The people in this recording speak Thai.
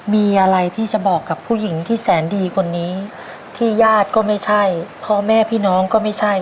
มีอะไรที่จะบอกกับผู้หญิงที่แสนดีคนนี้ที่ญาติก็ไม่ใช่พ่อแม่พี่น้องก็ไม่ใช่